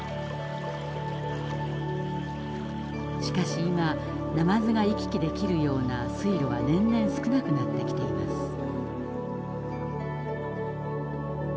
しかし今ナマズが行き来できるような水路は年々少なくなってきています。